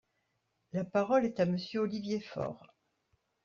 La parole est à Monsieur Olivier Faure.